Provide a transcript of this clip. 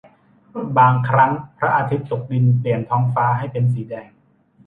บางครั้งพระอาทิตย์ตกดินเปลี่ยนท้องฟ้าให้เป็นสีแดง